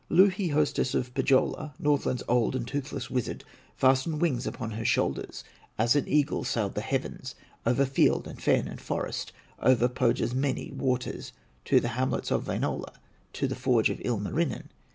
Louhi, hostess of Pohyola, Northland's old and toothless wizard, Fastened wings upon her shoulders, As an eagle, sailed the heavens, Over field, and fen, and forest, Over Pohya's many waters, To the hamlets of Wainola, To the forge of Ilmarinen.